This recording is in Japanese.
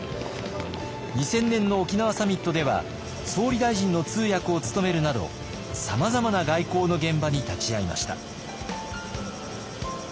２０００年の沖縄サミットでは総理大臣の通訳を務めるなどさまざまな外交の現場に立ち会いました。